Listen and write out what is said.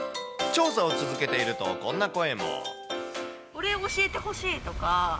調査を続けていると、こんなこれ、教えてほしいとか。